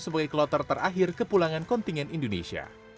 sebagai kloter terakhir ke pulangan kontingen indonesia